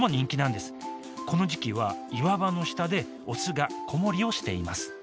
この時期は岩場の下でオスが子守をしています。